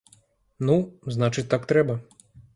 Ну, значыць так трэба.